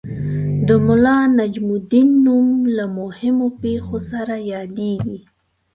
د ملا نجم الدین نوم له مهمو پېښو سره یادیږي.